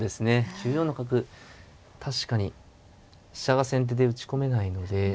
９四の角確かに飛車が先手で打ち込めないので。